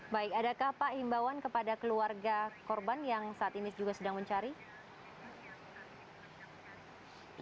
baik adakah pak imbauan kepada keluarga korban yang saat ini juga sedang mencari